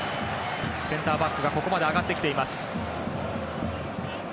センターバックがここまで上がってきていました。